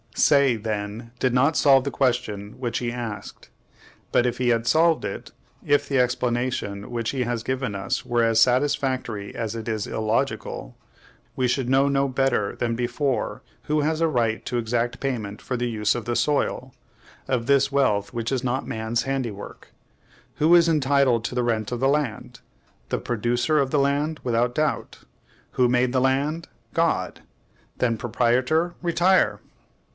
Say, then, did not solve the question which he asked. But if he had solved it, if the explanation which he has given us were as satisfactory as it is illogical, we should know no better than before who has a right to exact payment for the use of the soil, of this wealth which is not man's handiwork. Who is entitled to the rent of the land? The producer of the land, without doubt. Who made the land? God. Then, proprietor, retire!